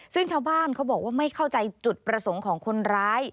ซึ่งชาวบ้านเขาบอกว่าไม่เข้าใจจุดประสงค์ของคนร้าย